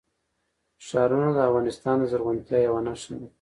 ښارونه د افغانستان د زرغونتیا یوه نښه ده.